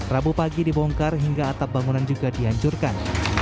rabu pagi dibongkar hingga atap bangunan juga dihancurkan